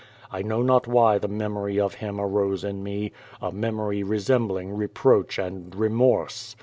I know not why the memory of him arose in me, a memory resembling reproach and remorse.